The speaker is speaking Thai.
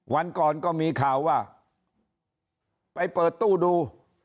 วันก่อนก็มีข่าวว่าไปเปิดตู้ดู